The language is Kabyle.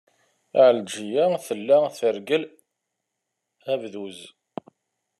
Ɛelǧiya tella treggel abduz.